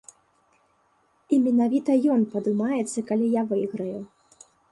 І менавіта ён падымаецца, калі я выйграю.